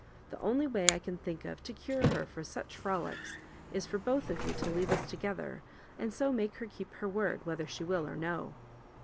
The only way I can think of to cure her of such frolics, is for both of you to leave us together, and so make her keep her word whether she will or no."